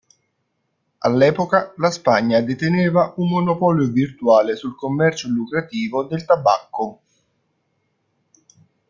All'epoca, la Spagna deteneva un monopolio virtuale sul commercio lucrativo del tabacco.